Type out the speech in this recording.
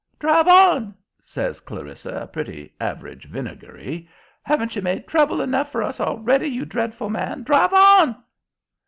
"Drive on!" says Clarissa, pretty average vinegary. "Haven't you made trouble enough for us already, you dreadful man? Drive on!"